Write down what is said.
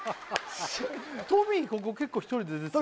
トミーここ結構１人で出てたね